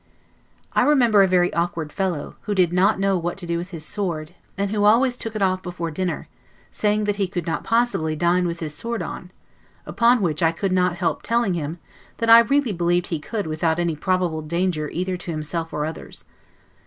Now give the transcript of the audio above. I remember a very awkward fellow, who did not know what to do with his sword, and who always took it off before dinner, saying that he could not possibly dine with his sword on; upon which I could not help telling him, that I really believed he could without any probable danger either to himself or others.